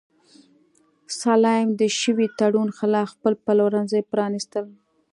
سلایم د شوي تړون خلاف خپل پلورنځي پرانیستل.